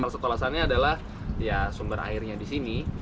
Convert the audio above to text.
setelasannya adalah sumber airnya di sini